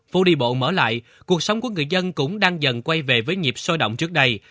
phố đi bộ mở lại cuộc sống của người dân cũng đang dần quay về với nhịp sôi động trước đây